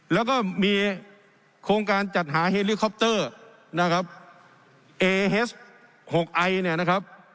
แล้วก็มีโครงการจัดหานะครับเนี้ยนะครับ